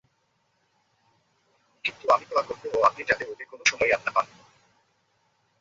কিন্তু আমি দোয়া করবো ও আপনি যাতে ওকে কোনো সময়ই আর না পান।